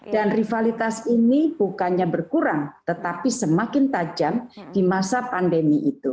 dan rivalitas ini bukannya berkurang tetapi semakin tajam di masa pandemi itu